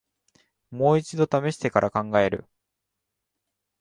もう一度ためしてから考える